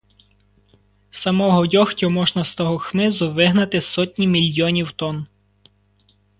Самого дьогтю можна з того хмизу вигнати сотні мільйонів тонн!